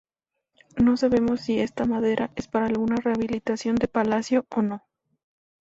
No sabemos si esta madera es para alguna rehabilitación de palacio o no.